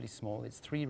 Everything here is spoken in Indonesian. pembangunan ini agak kecil